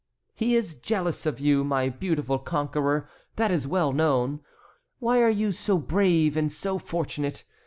"He is jealous of you, my beautiful conqueror, that is well known. Why are you so brave and so fortunate?